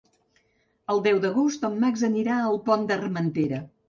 El deu d'agost en Max anirà al Pont d'Armentera.